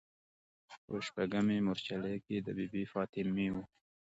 په شپږمې مورچلې کې د بي بي فاطمې و.